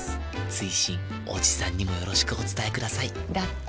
追伸おじさんにもよろしくお伝えくださいだって。